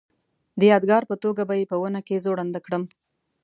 د یادګار په توګه به یې په ونه کې ځوړنده کړم.